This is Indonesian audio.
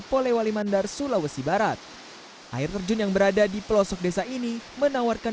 polewali mandar sulawesi barat air terjun yang berada di pelosok desa ini menawarkan